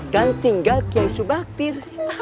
dan tinggal ki aisubakir